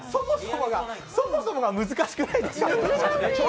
そもそもが難しくないですか？